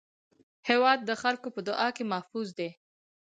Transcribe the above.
هېواد د خلکو په دعا کې محفوظ دی.